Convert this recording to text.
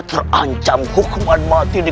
terancam hukuman mati di